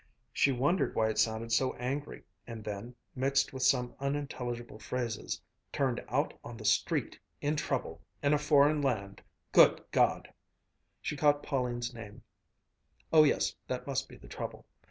She wondered why it sounded so angry, and then, mixed with some unintelligible phrases "turned out on the street, in trouble in a foreign land Good God!" she caught Pauline's name. Oh yes, that must be the trouble.